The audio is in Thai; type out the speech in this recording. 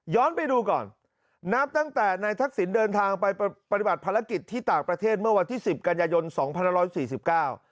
ไปดูก่อนนับตั้งแต่นายทักษิณเดินทางไปปฏิบัติภารกิจที่ต่างประเทศเมื่อวันที่สิบกันยายนสองพันห้าร้อยสี่สิบเก้า